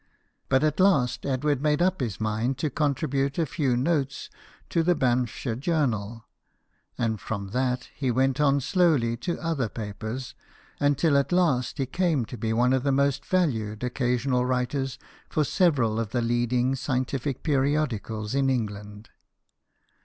But at last Edward made up his mind to contribute a few notes to the Banffshire Journal, and from that he went on slowly to other papers, until at last he came to be one of the most valued occasional writers for several of the leading scientific periodicals in England.